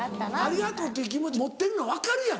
ありがとうっていう気持ち持ってるのは分かるやんか。